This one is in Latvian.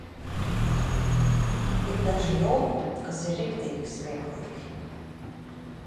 Ir daži joki, kas ir riktīgi smieklīgi.